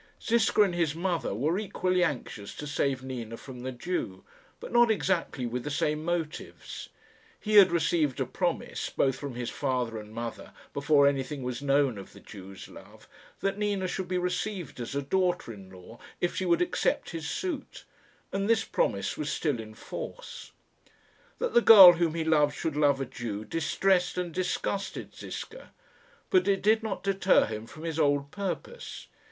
Ziska and his mother were equally anxious to save Nina from the Jew, but not exactly with the same motives. He had received a promise, both from his father and mother, before anything was known of the Jew's love, that Nina should be received as a daughter in law, if she would accept his suit; and this promise was still in force. That the girl whom he loved should love a Jew distressed and disgusted Ziska; but it did not deter him from his old purpose.